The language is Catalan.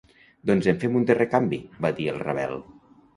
Doncs en fem un de recanvi —va dir el Ravel—.